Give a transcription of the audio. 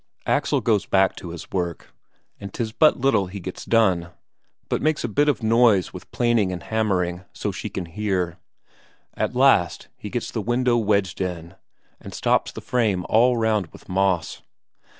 Axel goes back to his work, and 'tis but little he gets done, but makes a bit of noise with planing and hammering, so she can hear. At last he gets the window wedged in, and stops the frame all round with moss.